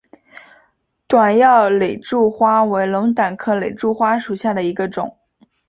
短药肋柱花为龙胆科肋柱花属下的一个种。